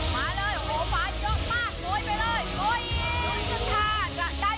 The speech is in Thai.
มาเลยหัวฝันมาโกยไปเลย